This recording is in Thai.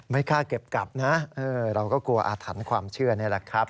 ไม่กล้าเก็บกลับนะเราก็กลัวอาถรรพ์ความเชื่อนี่แหละครับ